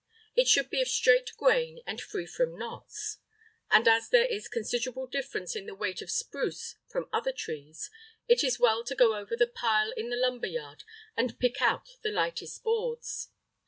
It should be of straight grain and free from knots; and as there is considerable difference in the weight of spruce from different trees, it is well to go over the pile in the lumber yard and pick out the lightest boards.